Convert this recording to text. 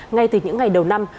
ngay từ những ngày đầu năm